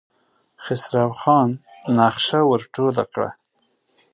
خسرو خان نخشه ور ټوله کړه.